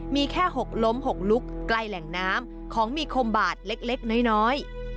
มีแค่๖ล้ม๖ลุกใกล้แหล่งน้ำของมีคมบาดเล็กน้อย